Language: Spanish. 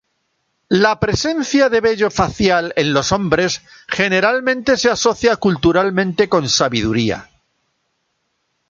La presencia de vello facial en los hombres generalmente se asocia culturalmente con sabiduría.